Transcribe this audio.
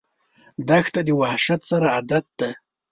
دښته د وحشت سره عادت ده.